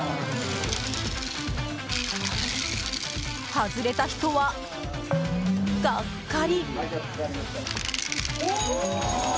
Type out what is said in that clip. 外れた人は、がっかり。